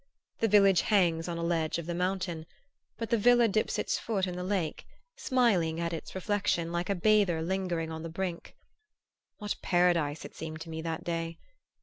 The village hangs on a ledge of the mountain; but the villa dips its foot in the lake, smiling at its reflection like a bather lingering on the brink. What Paradise it seemed to me that day!